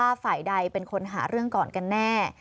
พอสังเกตว่าฝ่ายใดเป็นคนหาเรื่องก่อนกันแน่